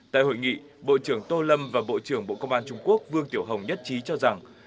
tại hội nghị bộ trưởng tô lâm và bộ trưởng bộ công an trung quốc vương tiểu hồng nhất trí cho rằng